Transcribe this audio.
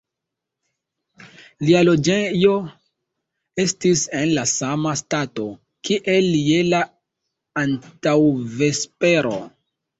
Nia loĝejo estis en la sama stato, kiel je la antaŭvespero.